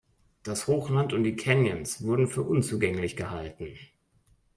Das Hochland und die Canyons wurden für unzugänglich gehalten.